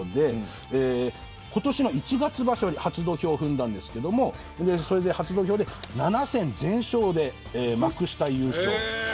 今年の１月場所に初土俵を踏んだんですけど７戦全勝で幕下優勝。